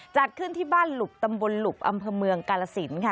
จัดขึ้นที่บ้านหลุบตำบลหลุบอำเภอเมืองกาลสินค่ะ